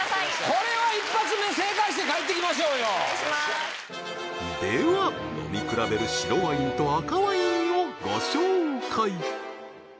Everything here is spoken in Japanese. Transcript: これは一発目正解して帰ってきましょうよお願いしますでは飲み比べる白ワインと赤ワインをご紹介